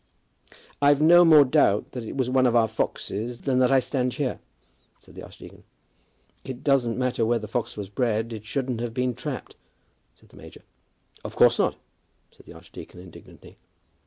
"I've no more doubt that it was one of our foxes than that I stand here," said the archdeacon. "It doesn't matter where the fox was bred. It shouldn't have been trapped," said the major. "Of course not," said the archdeacon, indignantly.